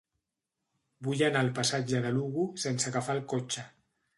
Vull anar al passatge de Lugo sense agafar el cotxe.